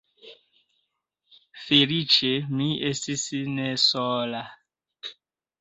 Feliĉe mi estis ne sola.